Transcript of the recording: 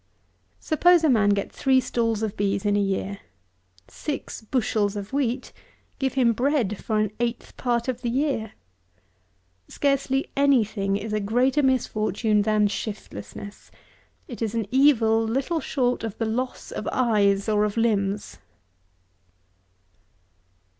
166. Suppose a man get three stalls of bees in a year. Six bushels of wheat give him bread for an eighth part of the year. Scarcely any thing is a greater misfortune than shiftlessness. It is an evil little short of the loss of eyes or of limbs.